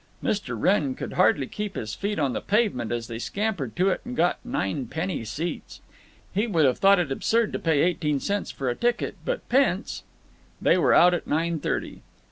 Mr. Wrenn could hardly keep his feet on the pavement as they scampered to it and got ninepenny seats. He would have thought it absurd to pay eighteen cents for a ticket, but pence—They were out at nine thirty.